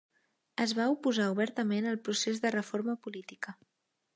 Es va oposar obertament al procés de reforma política.